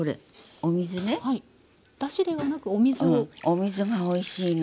お水がおいしいの。